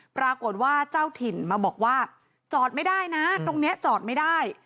ปรากฏว่าเจ้าถิ่นมาบอกว่าจอดไม่ได้นะตรงนี้จอดไม่ได้